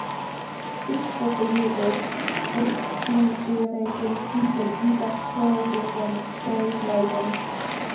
Ich hoffe jedoch, dass sie ihren politischen Überzeugungen treu bleiben.